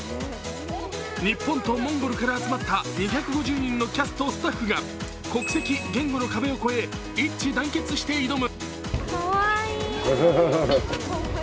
日本とモンゴルから集まった２５０人のキャスト・スタッフが国籍・言語の壁を越え一致団結して挑む。